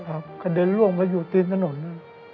ครับเขาเดินล่วงไปอยู่ตีนถนนนี่